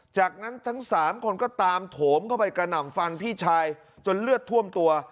จากนั้นทั้งสามคนก็ตามโถมเข้าไปกระหน่ำฟันพี่ชายจนเลือดท่วมตัว